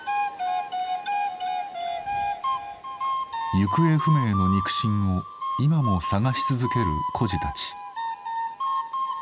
行方不明の肉親を今も捜し続ける孤児たち。